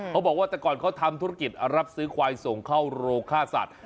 เขาบอกว่าแต่ก่อนเขาทำธุรกิจรับซื้อควายส่งเข้าโรค่าสัตว